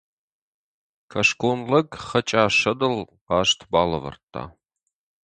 Кӕсгон лӕг Хӕчъассӕ дыл хъаст балӕвӕрдта.